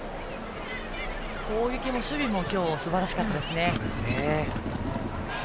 攻撃も守備も今日はすばらしかったですね。